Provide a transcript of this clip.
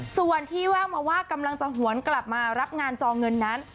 ส่วนที่แววมาว่ากำลังจะหวนกลับมารับงานจอเงินนั้น